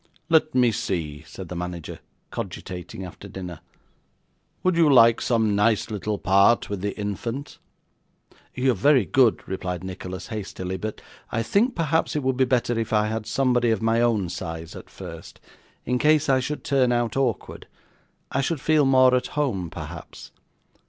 'Let me see,' said the manager cogitating after dinner. 'Would you like some nice little part with the infant?' 'You are very good,' replied Nicholas hastily; 'but I think perhaps it would be better if I had somebody of my own size at first, in case I should turn out awkward. I should feel more at home, perhaps.